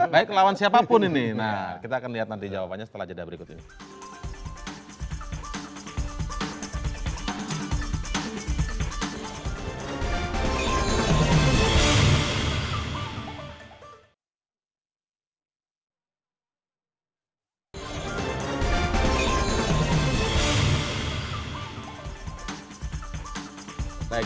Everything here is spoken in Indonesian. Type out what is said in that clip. baik lawan siapapun ini nah kita akan lihat nanti jawabannya setelah jeda berikut ini